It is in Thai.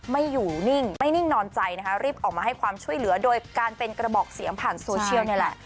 ไม่อยู่นิ่งไม่นิ่งนอนใจนะคะรีบออกมาให้ความช่วยเหลือโดยการเป็นกระบอกเสียงผ่านโซเชียลนี่แหละ